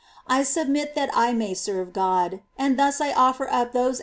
I submit that I may serve God, and thus I offer up those actions to Him.